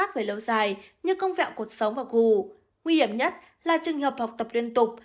về lâu dài như công vẹo cuộc sống và gù nguy hiểm nhất là trường hợp học tập liên tục